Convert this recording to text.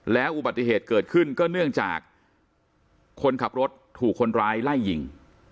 แล้วอุบัติเหตุเกิดขึ้นก็เนื่องจากคนขับรถถูกคนร้ายไล่ยิง